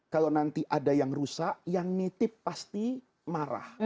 kalau nanti ada yang rusak yang nitip pasti marah